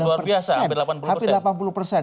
luar biasa hampir delapan puluh persen